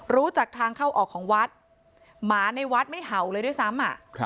รู้จักทางเข้าออกของวัดหมาในวัดไม่เห่าเลยด้วยซ้ำ